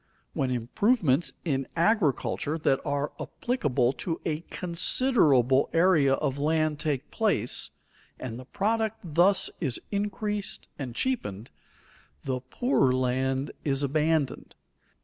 When improvements in agriculture that are applicable to a considerable area of land take place, and the product thus is increased and cheapened, the poorer land is abandoned.